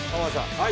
はい。